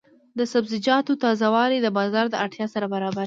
د سبزیجاتو تازه والي د بازار د اړتیا سره برابر شي.